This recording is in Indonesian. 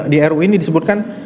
di ru ini disebutkan